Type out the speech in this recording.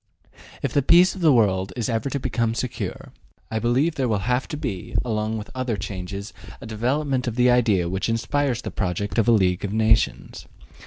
If the peace of the world is ever to become secure, I believe there will have to be, along with other changes, a development of the idea which inspires the project of a League of Nations.